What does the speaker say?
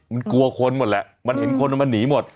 มันกลัวคนหมดแหละมันเห็นคนมันหนีหมด